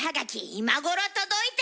今頃届いた。